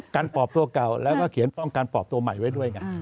ปอบตัวเก่าแล้วก็เขียนป้องกันปอบตัวใหม่ไว้ด้วยไง